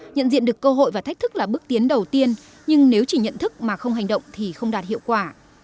nhận diện được cơ hội và thách thức là bước tiến đầu tiên nhưng nếu chỉ nhận thức mà không hành động thì không đạt hiệu quả